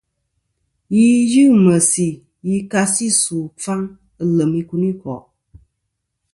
Yi yɨ meysi yi ka si ɨsu ɨkfaŋ ɨ lem ikuniko'.